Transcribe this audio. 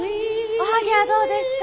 おはぎゃあどうですか？